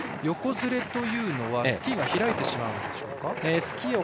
横ずれというのはスキーが開いてしまうんですか？